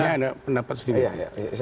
ada pendapat sudah